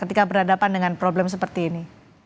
ketika beradapan dengan masalah seperti ini